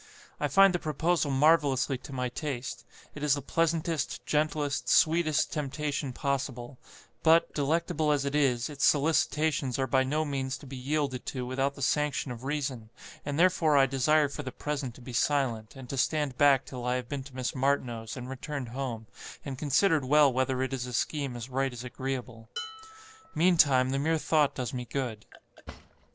I find the proposal marvellously to my taste; it is the pleasantest, gentlest, sweetest, temptation possible; but, delectable as it is, its solicitations are by no means to be yielded to without the sanction of reason, and therefore I desire for the present to be silent, and to stand back till I have been to Miss Martineau's, and returned home, and considered well whether it is a scheme as right as agreeable. "Meantime, the mere thought does me good."